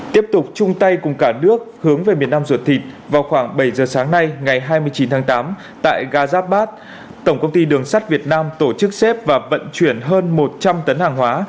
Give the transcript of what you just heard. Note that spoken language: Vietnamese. tiếp tục chung tay cùng cả nước hướng về miền nam ruột thịt vào khoảng bảy giờ sáng nay ngày hai mươi chín tháng tám tại ga giáp bát tổng công ty đường sắt việt nam tổ chức xếp và vận chuyển hơn một trăm linh tấn hàng hóa